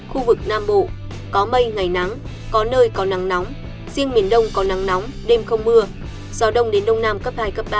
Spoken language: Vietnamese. khu vực nam bộ có mây ngày nắng có nơi có nắng nóng riêng miền đông có nắng nóng đêm không mưa gió đông đến đông nam cấp hai ba